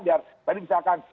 biar tadi misalkan